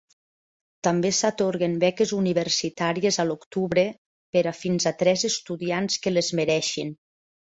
També s'atorguen beques universitàries a l'octubre per a fins a tres estudiants que les mereixin.